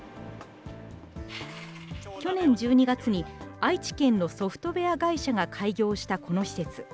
去年１２月に愛知県のソフトウェア会社が開業したこの施設。